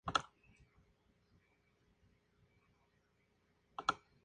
Durante su carrera llegó a tener un contrato exclusivo con la compañía Vivid.